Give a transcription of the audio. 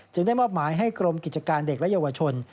ได้มอบหมายให้กรมกิจการเด็กและเยาวชน